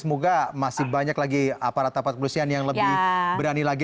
semoga masih banyak lagi aparat aparat kepolisian yang lebih berani lagi